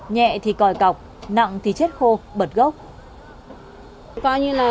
nhẹ thì còi cọc nặng thì chết khô bật gốc